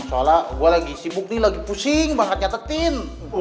soalnya gue lagi sibuk nih lagi pusing banget nyatetin